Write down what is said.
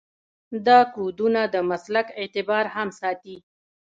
دا کودونه د مسلک اعتبار هم ساتي.